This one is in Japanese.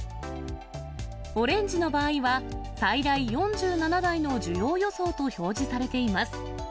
オレンジの場合は、最大４７台の需要予想と表示されています。